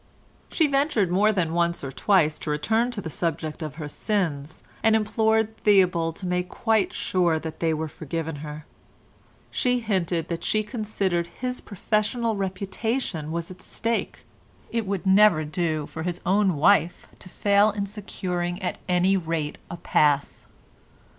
She ventured more than once or twice to return to the subject of her sins, and implored Theobald to make quite sure that they were forgiven her. She hinted that she considered his professional reputation was at stake; it would never do for his own wife to fail in securing at any rate a pass.